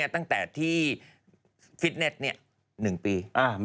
ตั้งแต่ที่ฟิตเน็ต๑ปี